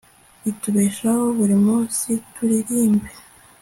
ritubeshaho buri munsi turirimbe